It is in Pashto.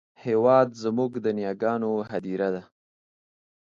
هېواد زموږ د نیاګانو هدیره ده